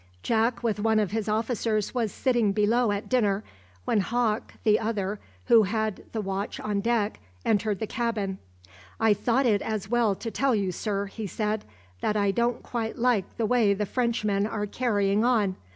Jack with one of his officers was sitting below at dinner, when Hawke, the other, who had the watch on deck, entered the cabin. "I thought it as well to tell you, sir," he said, "that I don't quite like the way the Frenchmen are carrying on.